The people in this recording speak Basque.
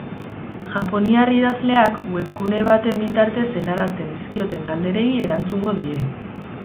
Japoniar idazleak webgune baten bitartez helarazten dizkioten galderei erantzungo die.